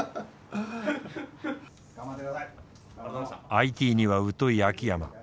ＩＴには疎い秋山。